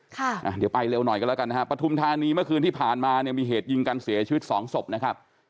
ค่ะอ่าเดี๋ยวไปเร็วหน่อยกันแล้วกันนะฮะปฐุมธานีเมื่อคืนที่ผ่านมาเนี่ยมีเหตุยิงกันเสียชีวิตสองศพนะครับ